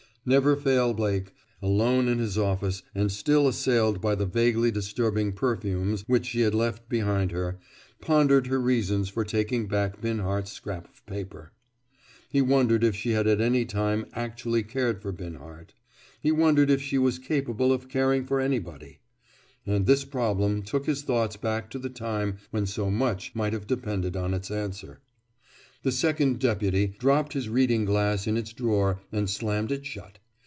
Never Fail Blake, alone in his office and still assailed by the vaguely disturbing perfumes which she had left behind her, pondered her reasons for taking back Binhart's scrap of paper. He wondered if she had at any time actually cared for Binhart. He wondered if she was capable of caring for anybody. And this problem took his thoughts back to the time when so much might have depended on its answer. The Second Deputy dropped his reading glass in its drawer and slammed it shut.